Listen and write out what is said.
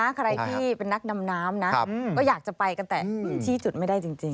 ใครที่เป็นนักดำน้ำนะก็อยากจะไปกันแต่ชี้จุดไม่ได้จริง